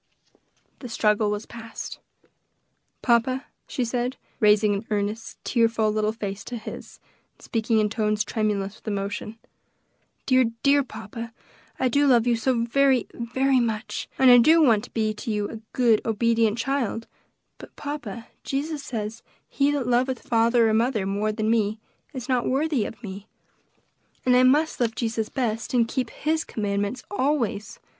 The struggle was past. "Papa," she said, raising an earnest, tearful little face to his, and speaking in tones tremulous with emotion, "dear, dear papa, I do love you so very, very much, and I do want to be to you a good, obedient child; but, papa, Jesus says, 'He that loveth father or mother more than me, is not worthy of me,' and I must love Jesus best, and keep his commandments always.